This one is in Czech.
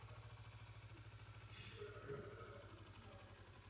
Pohybuje se vzpřímeně na zadních končetinách.